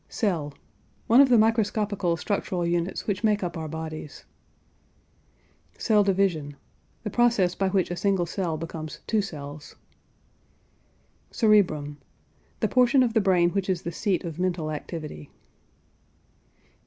CELL. One of the microscopical structural units which make up our bodies. CELL DIVISION. The process by which a single cell becomes two cells. CEREBRUM. The portion of the brain which is the seat of mental activity.